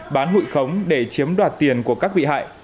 bán hụi khống để chiếm đoạt tiền của các bị hại